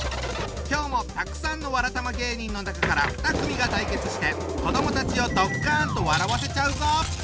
今日もたくさんのわらたま芸人の中から２組が対決して子どもたちをドッカンと笑わせちゃうぞ！